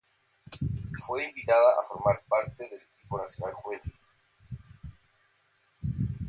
Fue invitada a formar parte del equipo nacional juvenil.